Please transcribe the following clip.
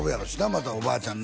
またおばあちゃん